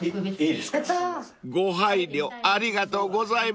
［ご配慮ありがとうございます］